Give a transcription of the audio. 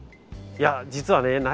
いや実はね